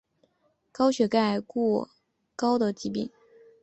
高血钙过高的疾病。